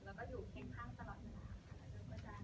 แล้วก็อยู่แข็งข้างตลอดเวลาค่ะ